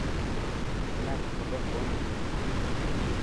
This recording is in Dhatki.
منان کبر ڪون هتي.